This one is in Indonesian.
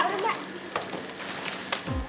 dah udah mbak